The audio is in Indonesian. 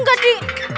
kok gak di